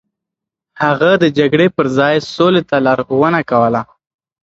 هغه د جګړې پر ځای سولې ته لارښوونه کوله.